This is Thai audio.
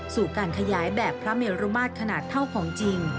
สู่การขยายแบบพระเมรุมาตรขนาดเท่าของจริง